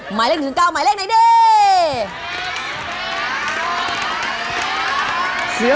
หมายเลขถึง๙หมายเลขไหนดี